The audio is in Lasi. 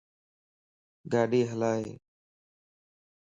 ڳاڏي ھلائي